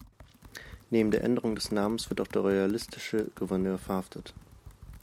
Neben der Änderung des Namens wird auch der royalistische Gouverneur verhaftet.